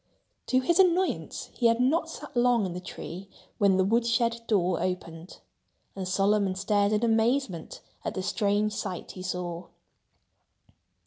To his annoyance, he had not sat long in the tree when the wood shed door opened. And Solomon stared in amazement at the strange sight he saw.